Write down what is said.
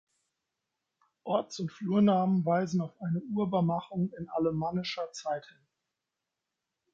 Orts- und Flurnamen weisen auf eine Urbarmachung in alemannischer Zeit hin.